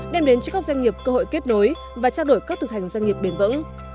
đem đến cho các doanh nghiệp cơ hội kết nối và trao đổi các thực hành doanh nghiệp bền vững